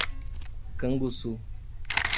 Canguçu